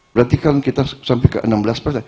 berarti kan kita sampai ke enam belas